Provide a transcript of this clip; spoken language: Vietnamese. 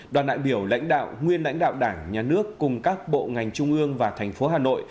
đoàn đại biểu lãnh đạo nguyên lãnh đạo đảng nhà nước cùng các bộ ngành trung ương và thành phố hà nội